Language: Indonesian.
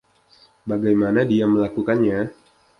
Bagaimana dia melakukannya?